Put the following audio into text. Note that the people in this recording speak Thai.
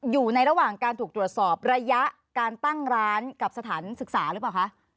อยู่ในระหว่างการถูกตรวจสอบระยะการตั้งร้านกับสถานศึกษาหรือเปล่าคะ